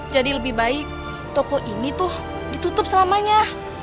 jadi lebih baik toko ini tuh ditutup selamanya